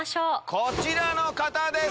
こちらの方です！